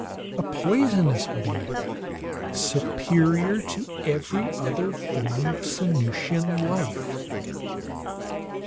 A poisonous bee, superior to every other form of Sanusian life!